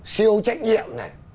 siêu trách nhiệm